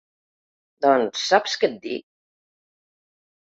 Doncs saps què et dic?